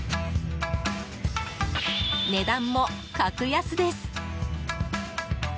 値段も格安です。